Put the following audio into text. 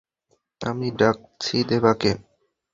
আমি ডাকছি দেবাকে।